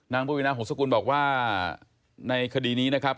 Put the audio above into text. นางบุวินาหกสกุลบอกว่าในคดีนี้นะครับ